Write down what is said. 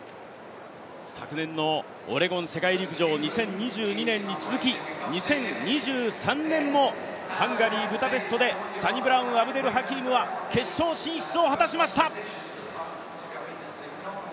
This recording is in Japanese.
昨年のオレゴン世界選手権２０２２年に続き２０２３年もハンガリー・ブダペストでサニブラウン・アブデル・ハキームは決勝進出を果たしました。